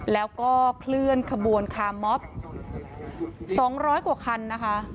แล้วก็เคลื่อนขบวนคาร์มมอฟสองร้อยกว่าคันนะคะ